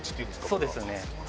そうですね。